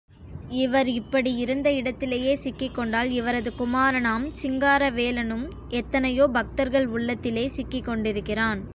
இவர் இப்படி இருந்த இடத்திலேயே சிக்கிக்கொண்டால், இவரது குமாரனாம் சிங்காரவேலவனும் எத்தனையோ பக்தர்கள் உள்ளத்திலே சிக்கிக் கொண்டிருக்கிறான்.